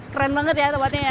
keren banget ya tempatnya ya